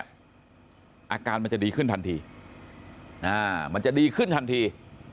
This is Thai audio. อาการมันจะดีขึ้นทันทีมันจะดีขึ้นทันที